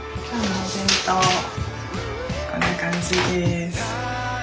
こんな感じです。